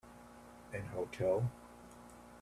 An hotel